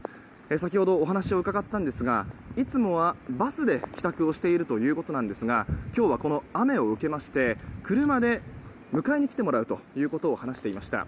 先ほど、お話を伺ったんですがいつもはバスで帰宅をしているということなんですが今日は、この雨を受けまして車で迎えに来てもらうということを話していました。